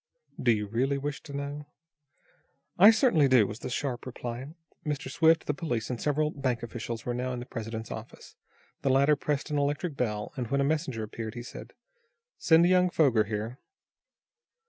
"Do you really wish to know?" "I certainly do," was the sharp reply. Mr. Swift, the police and several bank officials were now in the president's office. The latter pressed an electric bell, and, when a messenger answered, he said: "Send young Foger here."